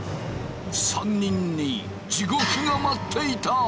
３人に地獄が待っていた。